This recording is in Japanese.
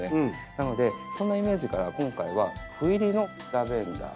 なのでそんなイメージから今回は斑入りのラベンダーと。